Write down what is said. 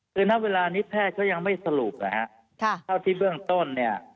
เมื่อเวลานี้แพทย์ยังไม่สรุปที่เบื้องต้น